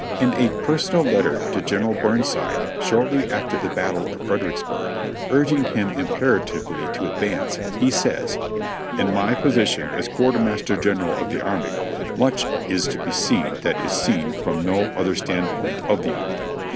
In a personal letter to General Burnside shortly after the Battle of Fredericksburg, urging him imperatively to advance, he says : "In my position as Quartermaster General of the Army, much is to be seen that is seen from no other standpoint of the army.